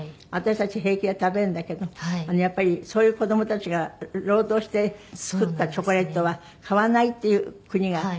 私たち平気で食べるんだけどやっぱりそういう子供たちが労働して作ったチョコレートは買わないっていう国が。